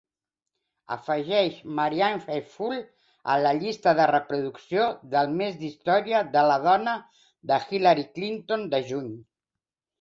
Afegeix Marianne Faithfull a la llista de reproducció del Mes d'Història de la Dona de Hillary Clinton de juny.